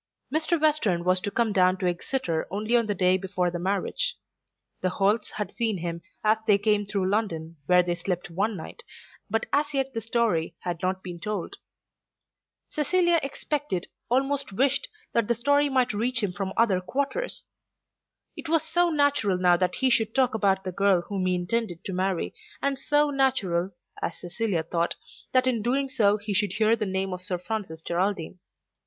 Mr. Western was to come down to Exeter only on the day before the marriage. The Holts had seen him as they came through London where they slept one night, but as yet the story had not been told. Cecilia expected, almost wished, that the story might reach him from other quarters. It was so natural now that he should talk about the girl whom he intended to marry, and so natural, as Cecilia thought, that in doing so he should hear the name of Sir Francis Geraldine.